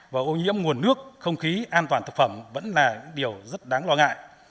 và ô nhiễm nguồn nước không khí an toàn thực phẩm vẫn là điều rất đáng lo ngại